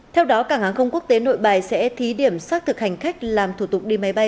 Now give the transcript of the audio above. theo đó cảng hàng không quốc tế nội bài sẽ thí điểm xác thực hành khách làm thủ tục đi máy bay